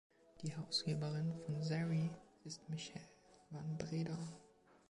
Die Herausgeberin von „Sarie“ ist Michelle van Breda.